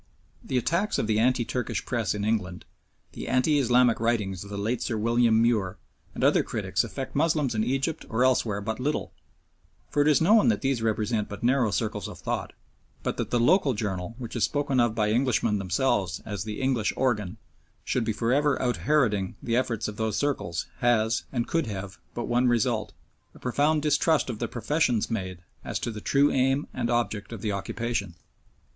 The attacks of the anti Turkish Press in England, the anti Islamic writings of the late Sir William Muir and other critics affect Moslems in Egypt or elsewhere but little, for it is known that these represent but narrow circles of thought, but that the local journal which is spoken of by Englishmen themselves as the "English organ" should be for ever out Heroding the efforts of those circles has, and could have, but one result a profound distrust of the professions made as to the true aim and object of the occupation.